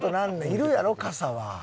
いるやろ傘は。